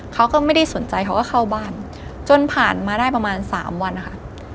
เขาก็ไม่ได้สนใจเขาก็เข้าบ้านจนผ่านมาได้ประมาณ๓วันนะคะ